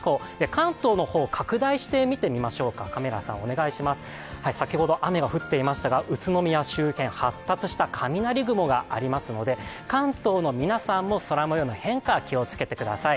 関東の方、拡大して見てみましょう先ほど雨が降っていましたが、宇都宮周辺、発達した雷雲がありますので、関東の皆さんも、空もようの変化、気をつけてください。